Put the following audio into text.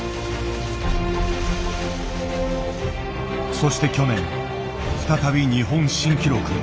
そして去年再び日本新記録。